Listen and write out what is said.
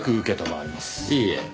いいえ。